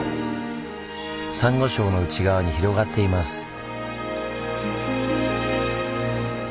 サンゴ礁の内側に広がっています。